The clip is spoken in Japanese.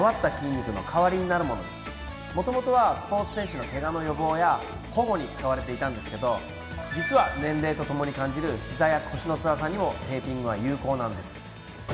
元々はスポーツ選手のケガの予防や保護に使われていたんですけど実は年齢とともに感じるひざや腰のつらさにもテーピングは有効なんです。